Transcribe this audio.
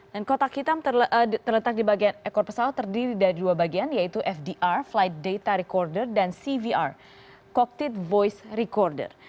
dan kotak hitam terletak di bagian ekor pesawat terdiri dari dua bagian yaitu fdr flight data recorder dan cvr coptic voice recorder